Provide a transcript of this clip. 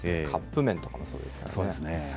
カップ麺とかもそうですからね。